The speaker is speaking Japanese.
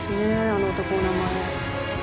あの男の名前。